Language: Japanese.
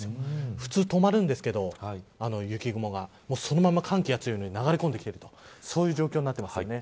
普通止まるんですけど、雪雲がそのまま寒気が強いので流れ込んできている状況になってます。